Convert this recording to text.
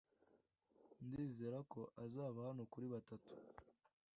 Ndizera ko azaba hano kuri batatu.